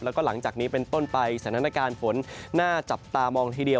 แล้วก็หลังจากนี้เป็นต้นไปสถานการณ์ฝนน่าจับตามองทีเดียว